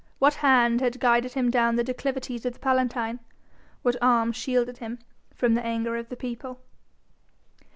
What hand had guided him down the declivities of the Palatine? What arm shielded him from the anger of the people?